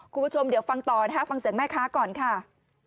คุณผู้ชมเดี๋ยวฟังต่อนะคะฟังเสียงแม่ค้าก่อนค่ะ